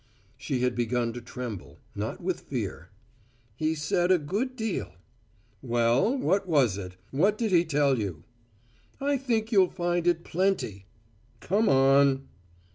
She had begun to tremble, not with fear. "He said a good deal." "Well, what was it? What did he tell you?" "I think you'll find it plenty!" "Come on!"